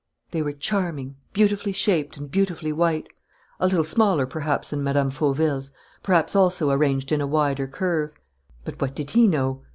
They were charming, beautifully shaped, and beautifully white; a little smaller perhaps than Mme. Fauville's, perhaps also arranged in a wider curve. But what did he know?